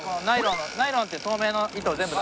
ナイロンって透明の糸を全部。